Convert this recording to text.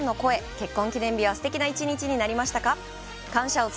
結婚記念日はすてきな１日になりましたか？